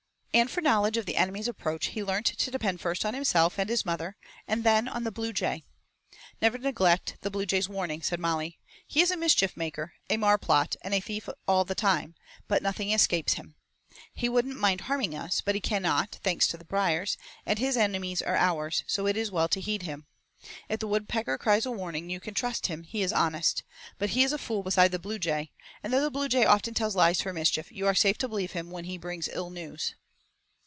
And for knowledge of the enemy's approach he learnt to depend first on himself and his mother, and then on the bluejay. "Never neglect the bluejay's warning," said Molly; "he is a mischief maker, a marplot, and a thief all the time, but nothing escapes him. He wouldn't mind harming us, but he cannot, thanks to the briers, and his enemies are ours, so it is well to heed him. If the woodpecker cries a warning you can trust him, he is honest; but he is a fool beside the bluejay, and though the bluejay often tells lies for mischief you are safe to believe him when he brings ill news."